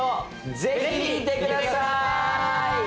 ぜひ見てください。